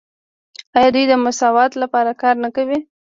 آیا دوی د مساوات لپاره کار نه کوي؟